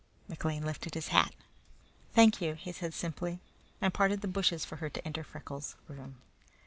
McLean lifted his hat. "Thank you," he said simply, and parted the bushes for her to enter Freckles' room.